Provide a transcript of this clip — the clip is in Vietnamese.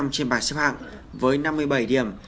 trên bài xếp hạng với năm mươi bảy điểm